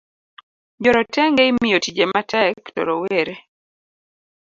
Joretenge imiyo tije matek to rowere